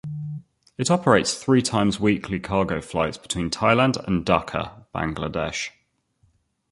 It operates three times weekly cargo flights between Thailand and Dhaka, Bangladesh.